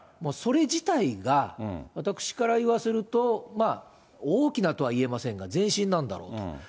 それ自体が私から言わせると、大きなとはいえませんが、前進なんだろうと。